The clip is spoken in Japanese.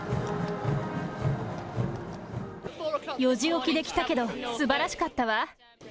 ４時起きで来たけど、すばらしかったわ。